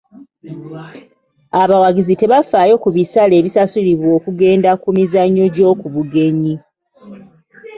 Abawagizi tebafaayo ku bisale ebisasulibwa okugenda ku mizannyo gy'oku bugenyi.